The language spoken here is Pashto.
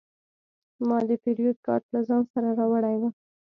ما د پیرود کارت له ځان سره راوړی و.